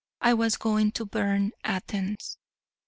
I was going to burn Athens.